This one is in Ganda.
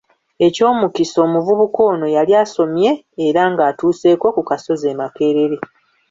Eky'omukisa omuvubuka ono yali asomye era nga atuuseeko ku kasozi ke Makerere.